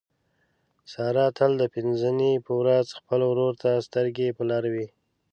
ساره تل د پینځه نۍ په ورخ خپل ورور ته سترګې په لاره وي.